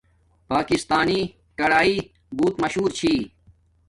پاکستانی کرݶ بوت مہشور چھی